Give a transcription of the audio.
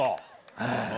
ええ。